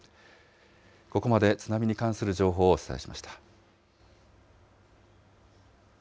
ここまで津波に関する情報をお伝えしました。